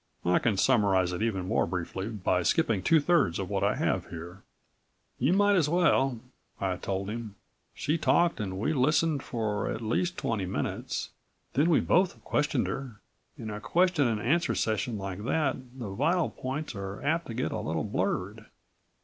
I can summarize it even more briefly by skipping two thirds of what I have here." "You might as well," I told him. "She talked and we listened for at least twenty minutes. Then we both questioned her. In a question and answer session like that the vital points are apt to get a little blurred."